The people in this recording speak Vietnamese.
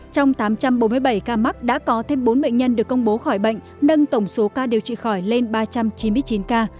trong tám trăm bốn mươi bảy ca mắc đã có thêm bốn bệnh nhân được công bố khỏi bệnh nâng tổng số ca điều trị khỏi lên ba trăm chín mươi chín ca